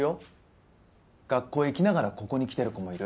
学校へ行きながらここに来てる子もいる。